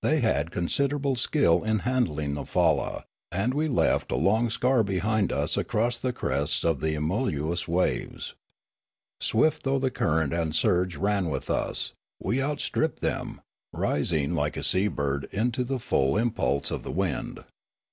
They had considerable skill in handling the falla, and we left a long scar behind us across the crests of the emulous waves. Swift though the current and surge ran with us, we outstripped them, rising like a sea bird to the full impulse of the wind.